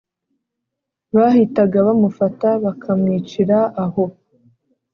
bahitaga bamufata bakamwicira aho